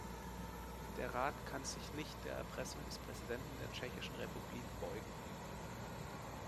Der Rat kann sich nicht der Erpressung des Präsidenten der Tschechischen Republik beugen.